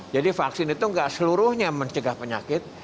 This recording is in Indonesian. jadi vaksin itu enggak seluruhnya mencegah penyakit